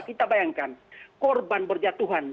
kita bayangkan korban berjatuhan